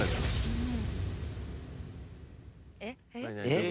えっ？